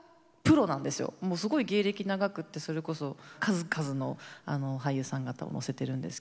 もうすごい芸歴長くてそれこそ数々の俳優さん方を乗せてるんですけど。